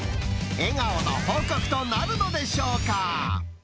笑顔の報告となるのでしょうか。